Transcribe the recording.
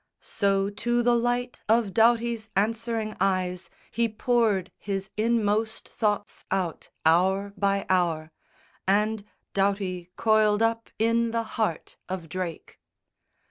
So to the light of Doughty's answering eyes He poured his inmost thoughts out, hour by hour; And Doughty coiled up in the heart of Drake.